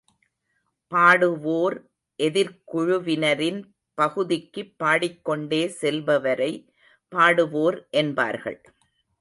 பாடுவோர் எதிர்க் குழுவினரின் பகுதிக்குப் பாடிக்கொண்டே செல்பவரை பாடுவோர் என்பார்கள்.